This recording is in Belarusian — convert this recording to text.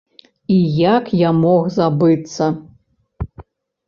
І як я мог забыцца!